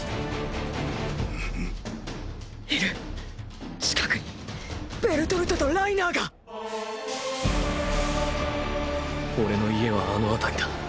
⁉いる近くにベルトルトとライナーがオレの家はあの辺りだ。